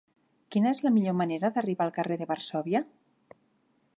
Quina és la millor manera d'arribar al carrer de Varsòvia?